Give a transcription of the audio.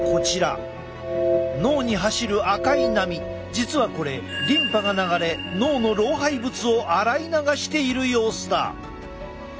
実はこれリンパが流れ脳の老廃物を洗い流している様子だ。